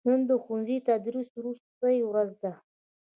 نن دښوونځي دتدریس وروستې ورځ وه